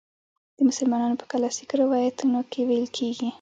د مسلمانانو په کلاسیکو روایتونو کې ویل کیږي.